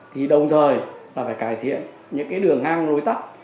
thì đồng thời phải cải thiện những đường ngang đối tắt